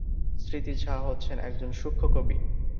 স্মৃতি ঝা হচ্ছেন একজন সূক্ষ্ম কবি।